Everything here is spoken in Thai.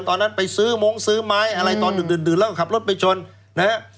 ตอนนั้นไปซื้อมงซื้อไม้อะไรตอนดึกดื่นแล้วก็ขับรถไปชนนะฮะ